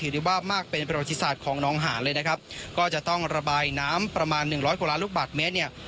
ได้ว่ามากเป็นประวัติศาสตร์ของน้องหานเลยนะครับก็จะต้องระบายน้ำประมาณหนึ่งร้อยกว่าล้านลูกบาทเมตรเนี่ย